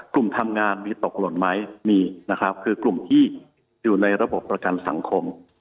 กลุ่มทำงานมีตกหล่นไหมมีนะครับคือกลุ่มที่อยู่ในระบบประกันสังคม